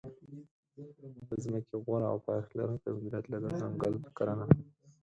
د ځمکې غوره او پایښت لرونکې مدیریت لکه ځنګل کرنه.